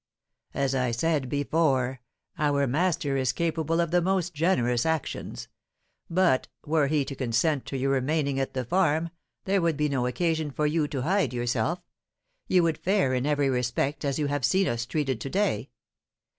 "As I said before, our master is capable of the most generous actions. But, were he to consent to your remaining at the farm, there would be no occasion for you to hide yourself; you would fare in every respect as you have seen us treated to day.